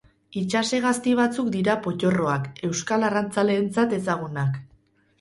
Itsas hegazti batzuk dira pottorroak, euskal arrantzaleentzat ezagunak.